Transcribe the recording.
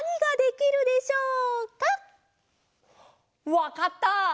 わかった！